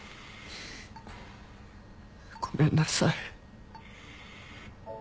ごめんなさい。